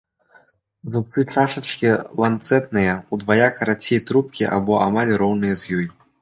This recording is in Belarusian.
Зубцы чашачкі ланцэтныя, удвая карацей трубкі або амаль роўныя ёй.